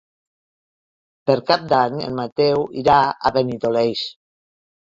Per Cap d'Any en Mateu irà a Benidoleig.